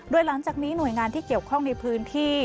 โดยหลังจากนี้หน่วยงานที่เกี่ยวข้องในพื้นที่